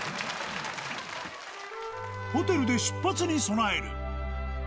ホテルで出発に備える。